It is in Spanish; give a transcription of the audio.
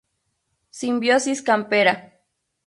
Simbiosis Campera.